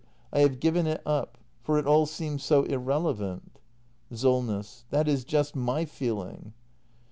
I have given it up. For it all seems so irrelevant. Solness. That is just my feeling.